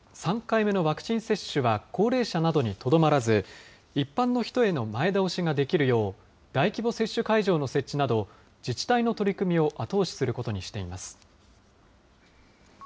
３回目のワクチン接種は高齢者などにとどまらず、一般の人への前倒しができるよう、大規模接種会場の設置など、自治体の取り組みを後押しすることにしています。